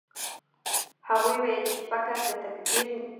هغوی ويل چي فقر د تقدير نتيجه ده.